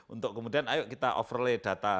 untuk kemudian ayo kita overlay data